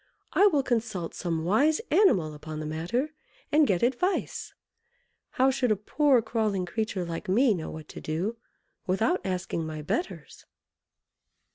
I will consult some wise animal upon the matter, and get advice. How should a poor crawling creature like me know what to do without asking my betters?"